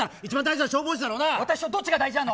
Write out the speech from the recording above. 私と消防士どっちが大事なの。